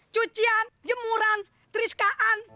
cucian jemuran teriskan